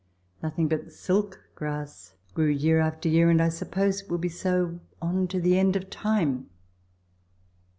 Nothing but silk grass grew year after year, and I suppose it would be so on to the end of time.